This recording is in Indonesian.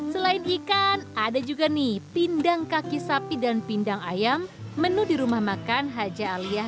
selain ikan ada juga nih pindang kaki sapi dan pindang ayam menu di rumah makan haja aliah